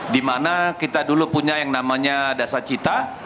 dimana kita dulu punya yang namanya dasar cita